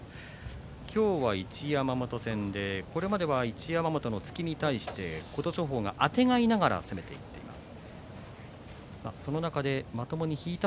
今日は一山本戦で、これまでは一山本は突きに対して琴勝峰があてがいながら攻めていっています。